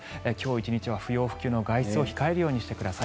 １日は不要不急の外出を控えるようにしてください。